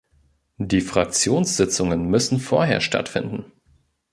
Die Fraktionssitzungen müssen vorher stattfinden.